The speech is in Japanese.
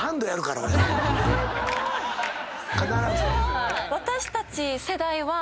必ず。